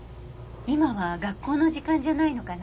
今は学校の時間じゃないのかな？